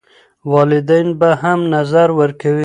والدین به هم نظر ورکوي.